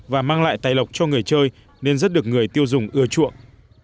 và mang lại tài lộc cho người chơi nên rất được người tiêu dùng ưa chuộng